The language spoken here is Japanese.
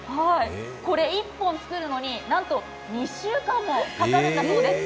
これ１本作るのになんと２週間もかかるんだそうです。